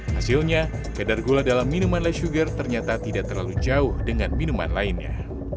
hasilnya kadar gula dalam minuman less sugar ternyata tidak terlalu jauh dengan minuman lainnya